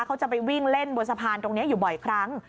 เขาจะไปวิ่งเล่นบนสะพานตรงนี้อยู่บ่อยครั้ง